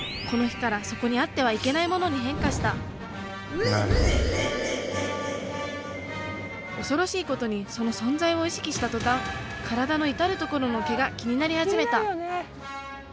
この日からそこにあってはいけないものに変化した恐ろしいことにその存在を意識したとたん体の至る所の毛が気になり始めた。